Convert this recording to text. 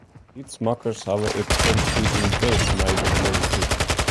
Beliedsmakkers hawwe it somtiden dreech mei de polityk.